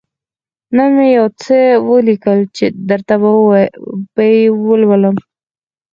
_نن مې يو څه ولېکل، درته وبه يې لولم.